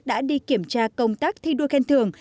đã đi kiểm tra công tác thi đua khen thường